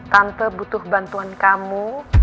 tante butuh bantuan kamu